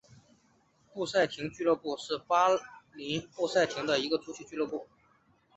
布赛廷俱乐部是巴林布赛廷的一个足球俱乐部。